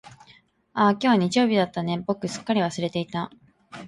ああ、今日は日曜だったんだね、僕すっかり忘れていた。